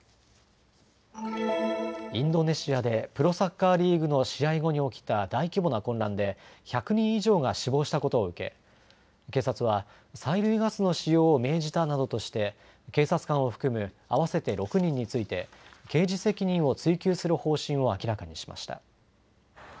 インドネシアでプロサッカーリーグの試合後に起きた大規模な混乱で１００人以上が死亡したことを受け警察は催涙ガスの使用を命じたなどとして警察官を含む合わせて６人について刑事責任を追及する方針を明らかにしました。